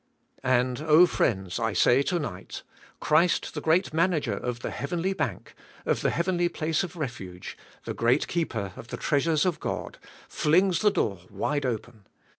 And, oh friends, I say, to night; Christ, the great manager of the heavenly bank, of the heavenly place of refuge, the great keeper of the treasures of God, flings the door wide open.